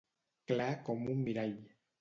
Clar com un mirall.